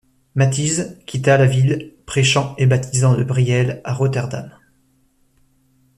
Matthijs quitta la ville, préchant et baptisant de Brielle à Rotterdam.